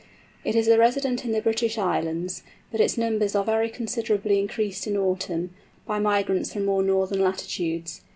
It is a resident in the British Islands, but its numbers are very considerably increased in autumn, by migrants from more northern latitudes.